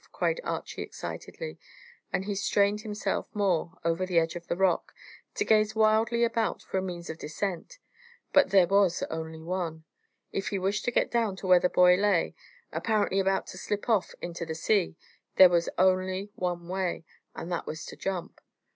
cried Archy excitedly; and he strained himself more over the edge of the rock, to gaze wildly about for a means of descent, but there was only one: if he wished to get down to where the boy lay, apparently about to slip off into the sea, there was only one way, and that was to jump.